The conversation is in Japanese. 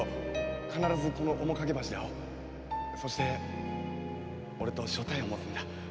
〔そして俺と所帯を持つんだ〕